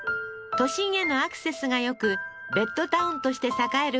都心へのアクセスがよくベッドタウンとして栄える